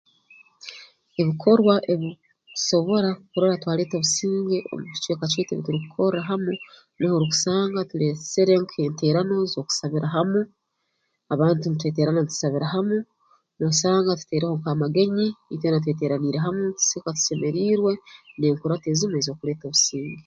Ebikorwa ebirukusobora kurora twaleeta obusinge omu kicweka kyaitu obu turukukorra hamu nuho orukusanga tuleesere nk'enteerano z'okusabira hamu abantu ntweteerana ntusabira hamu noosanga tutaireho nk'amagenyi itwena tweteeraniire hamu ntuseka tusemeriirwe n'enkurato ezimu ez'okuleeta obusinge